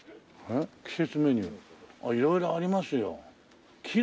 「季節メニュー」あっ色々ありますよ。